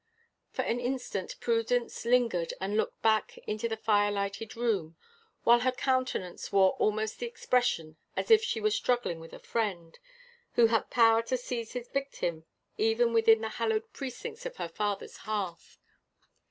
For an instant Prudence lingered and looked back into the fire lighted room, while her countenance wore almost the expression as if she were struggling with a fiend who had power to seize his victim even within the hallowed precincts of her father's hearth.